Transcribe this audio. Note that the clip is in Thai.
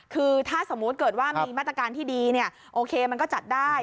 คือถ้าสมมุติเกิดว่ามีมาตรการที่ดีเนี่ยโอเคมันก็จัดได้